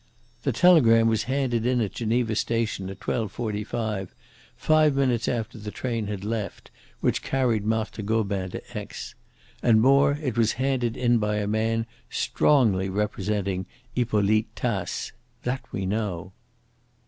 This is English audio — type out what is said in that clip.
The telegram was handed in at Geneva station at 12.45, five minutes after the train had left which carried Marthe Gobin to Aix. And more, it was handed in by a man strongly resembling Hippolyte Tace that we know."